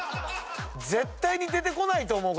絶対に出てこないと思う。